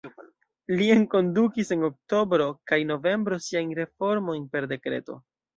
Li enkondukis en oktobro kaj novembro siajn reformojn per dekreto.